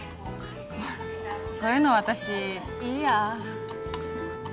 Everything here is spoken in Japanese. そういうの私いいや。